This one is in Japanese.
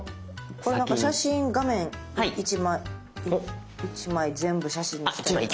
これ写真画面１枚全部写真にしたり。